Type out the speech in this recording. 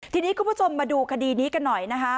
ทีนี้คุณผู้ชมมาดูคดีนี้กันหน่อยนะคะ